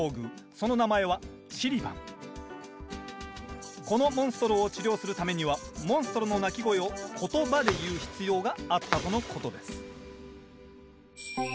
その名前はこのモンストロを治療するためにはモンストロの鳴き声を言葉で言う必要があったとのことです